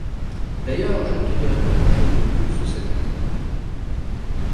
D'ailleurs je ne te dirai pas grandchose de plus cette quinzaine.